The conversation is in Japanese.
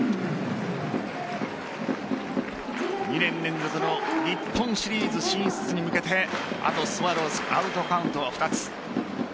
２年連続の日本シリーズ進出に向けてあとスワローズアウトカウント２つ。